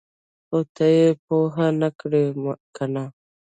ـ خو ته یې پوهه نه کړې کنه!